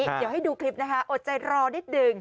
เดี๋ยวให้ดูคลิปนะคะอดใจรอนิดหนึ่ง